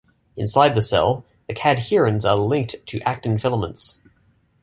Inside the cell, the cadherins are linked to actin filaments.